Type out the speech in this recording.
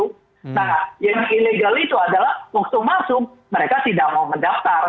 nah yang ilegal itu adalah waktu masuk mereka tidak mau mendaftar